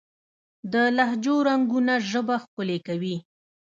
د لهجو رنګونه ژبه ښکلې کوي.